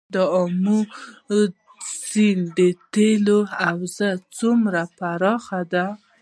د امو سیند تیلو حوزه څومره پراخه ده؟